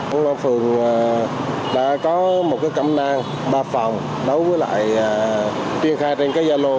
công an phường đã có một cái cẩm nang ba phòng đấu với lại triển khai trên cái gia lô